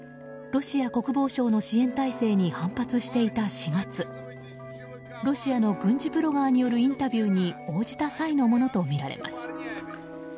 ロシア国防省の支援体制に反発していた４月ロシアの軍事ブロガーによるインタビューに応じた際のものとみられます。